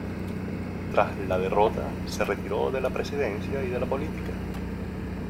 Tras la derrota, se retiró de la presidencia y de la política.